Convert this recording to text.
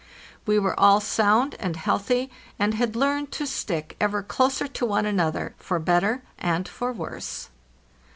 We were all sound and healthy, and had learned to stick ever closer to one another for better and for WOrse.